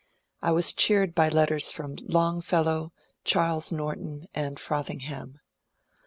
I was cheered by letters from Longfellow, Charles Norton, and Frothingham.